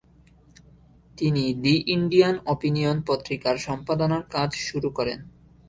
তিনি the Indian Opinion পত্রিকার সম্পাদনার কাজ শুরু করেন।